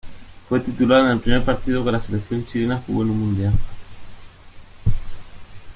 Fue titular en el primer partido que la Selección Chilena jugó en un mundial.